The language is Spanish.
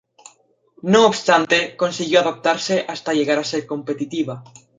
No obstante, consiguió adaptarse hasta llegar a ser competitiva.